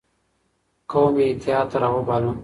قوم یې اتحاد ته راوباله